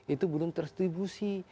itu belum terstibusi